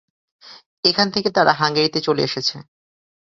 এখান থেকে তারা হাঙ্গেরিতে চলে এসেছে।